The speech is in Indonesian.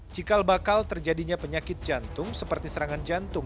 cikal bakal terjadinya penyakit jantung seperti serangan jantung